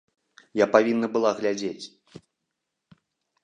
Я павінна была глядзець.